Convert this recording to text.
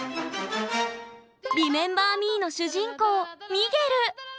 「リメンバー・ミー」の主人公ミゲル！